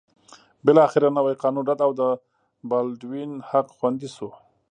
بالاخره نوی قانون رد او د بالډوین حق خوندي شو.